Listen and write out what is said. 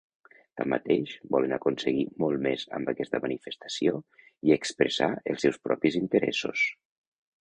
Tanmateix, volen aconseguir molt més amb aquesta manifestació i expressar els seus propis interessos.